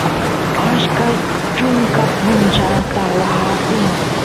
ashkay chunka punchawsta waa apin